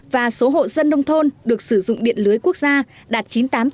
và số hộ dân nông thôn được sử dụng điện lưới quốc gia đạt chín mươi tám